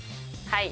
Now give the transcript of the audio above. はい。